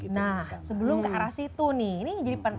nah sebelum ke arah situ nih